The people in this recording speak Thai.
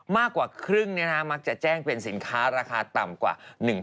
มากกว่าครึ่งมักจะแจ้งเป็นสินค้าราคาต่ำกว่า